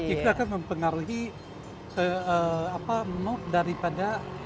itu akan mempengaruhi mood daripada